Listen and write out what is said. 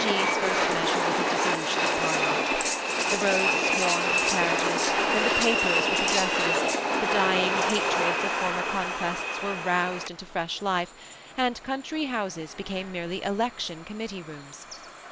G.'s first measure was a dissolution of Parlia ment. The roads swarmed with carriages, and the papers with addresses, the dying hatreds of former con tests were roused into fresh life, and country houses became merely election committee rooms.